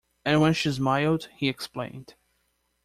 And when she smiled he explained.